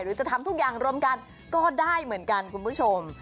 หรือจะทำทุกอย่างรวมกันก็ได้เหมือนกันคุณผู้ชม